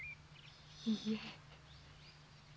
いいえ。